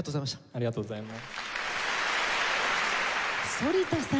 ありがとうございます。